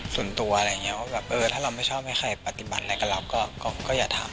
ส่วนตัวอะไรอย่างนี้ว่าแบบเออถ้าเราไม่ชอบให้ใครปฏิบัติอะไรกับเราก็อย่าทำ